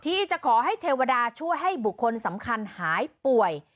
ที่จะขอให้เทวดาช่วยให้บุคคลสำคัญหายป่วย